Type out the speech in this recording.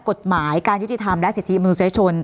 กฎหมายการยุติธรรมและสิทธิมนุษยชน